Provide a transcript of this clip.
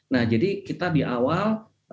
nah jadi kita di awal